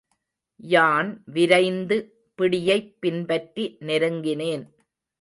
யான் விரைந்து பிடியைப் பின்பற்றி நெருங்கினேன்.